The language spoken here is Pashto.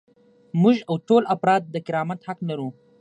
موږ او ټول افراد د کرامت حق لرو.